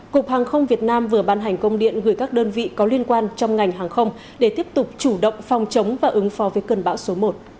cục hàng không việt nam vừa ban hành công điện gửi các đơn vị có liên quan trong ngành hàng không để tiếp tục chủ động phòng chống và ứng phó với cơn bão số một